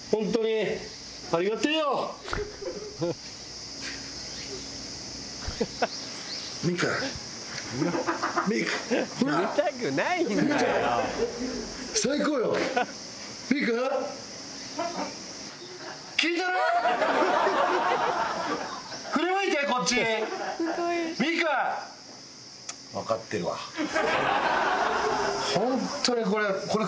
本当にこれ。